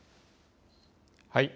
はい。